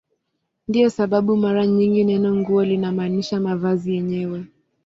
Ndiyo sababu mara nyingi neno "nguo" linamaanisha mavazi yenyewe.